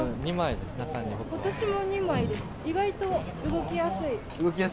私も２枚です。